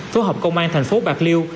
phố học công an thành phố bạc liêu